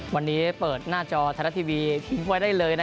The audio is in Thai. วันนี้เปิดหน้าจอทะละทีวีทิ้งไว้ได้เลยนะครับ